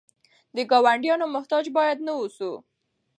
د ګاونډیانو محتاج باید نه اوسو.